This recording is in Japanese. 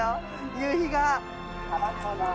夕日が。